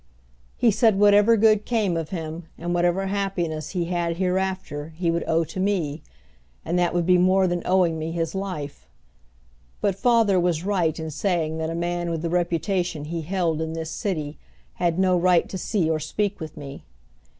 He said whatever good came of him and whatever happiness he had hereafter he would owe to me, and that would be more than owing me his life; but father was right in saying that a man with the reputation he held in this city had no right to see or speak with me.